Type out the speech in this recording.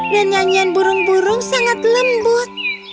dan nyanyian burung burung sangat lembut